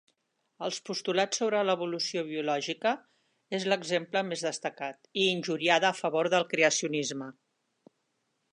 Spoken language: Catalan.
Els postulats sobre l'Evolució biològica és l'exemple més destacat i injuriada a favor del creacionisme.